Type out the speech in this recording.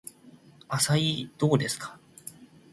アサイーどこですか